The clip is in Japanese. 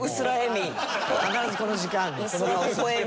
必ずこの時間ある。